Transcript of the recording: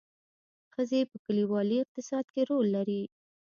ښځې په کلیوالي اقتصاد کې رول لري